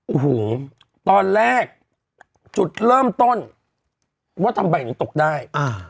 อื้อหูตอนแรกจุดเริ่มต้นว่าทำไปตกได้